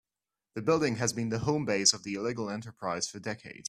The building has been the home base of the illegal enterprise for decades.